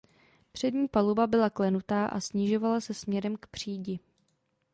Přední paluba byla klenutá a snižovala se směrem k přídi.